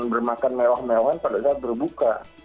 bermakan mewah mewahan pada saat berbuka